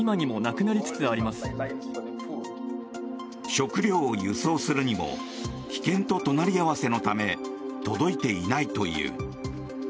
食料を輸送するにも危険と隣り合わせのため届いていないという。